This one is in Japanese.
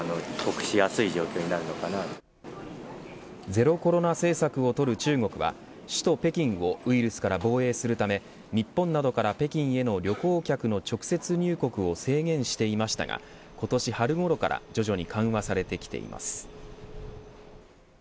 ゼロコロナ政策をとる中国は首都北京をウイルスから防衛するため日本などから北京への旅行客の直接入国を制限していましたが今年春ごろから徐々に緩和されてきています。